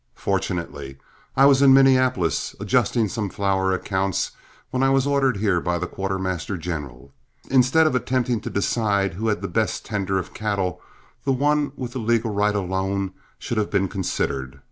Fortunately I was in Minneapolis adjusting some flour accounts, when I was ordered here by the quartermaster general. Instead of attempting to decide who had the best tender of cattle, the one with the legal right alone should have been considered.